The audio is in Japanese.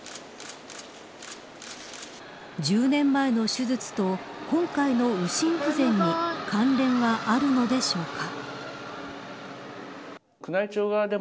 １０年前の手術と今回の右心不全に関連はあるのでしょうか。